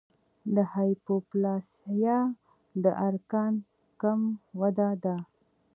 د هایپوپلاسیا د ارګان کم وده ده.